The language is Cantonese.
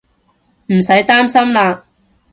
唔使擔心喇